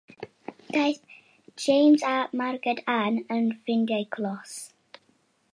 Daeth James a Margaret Anne yn ffrindiau clos.